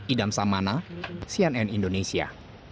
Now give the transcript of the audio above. idam samana cnn indonesia